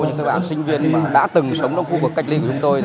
những bạn sinh viên đã từng sống trong khu vực cách ly của chúng tôi